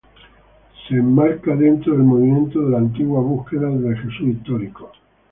Se enmarca dentro del movimiento de la Antigua búsqueda del Jesús histórico.